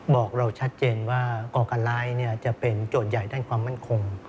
บอกเราชัดเจนว่าก่อการร้ายจะเป็นโจทย์ใหญ่ด้านความมั่นคง